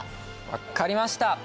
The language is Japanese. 分かりました。